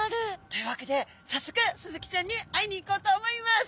というわけでさっそくスズキちゃんに会いに行こうと思います！